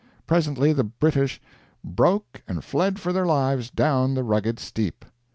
Presently the British "broke and fled for their lives down the rugged steep."